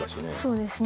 そうですね。